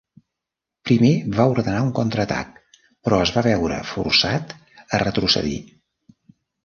Primer va ordenar un contraatac, però es va veure forçat a retrocedir.